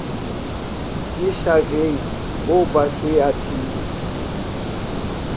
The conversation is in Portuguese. dichavei o baseadinho